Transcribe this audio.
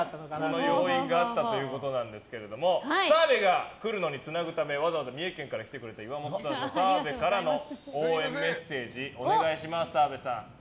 その要因があったということなんですが澤部が来るのにつなぐためわざわざ三重県から来てくださった岩本さんに応援メッセージ、お願いします。